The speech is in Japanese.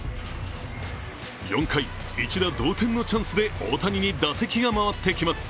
４回、１打同点のチャンスで大谷に打席が回ってきます。